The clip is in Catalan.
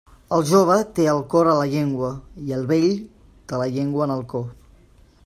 El jove té el cor a la llengua, i el vell té la llengua en el cor.